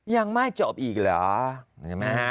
ยังไม่จบอีกเหรอ